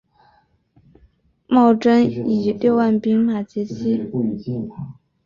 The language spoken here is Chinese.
茂贞以六万兵马截击。